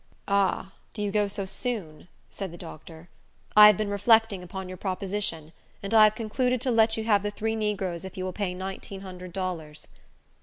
"Ah, do you go so soon?" said the doctor. "I have been reflecting upon your proposition, and I have concluded to let you have the three negroes if you will say nineteen hundred dollars."